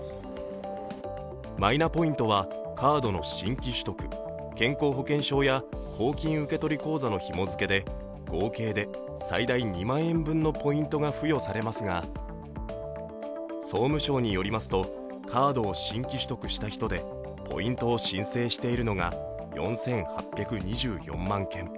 マイナポイントはカードの新規取得、健康保険証や公金受取口座のひも付けで、合計で最大２万円分のポイントが付与されますが総務省によりますとカードを新規取得した人でポイントを申請しているのが４８２４万件。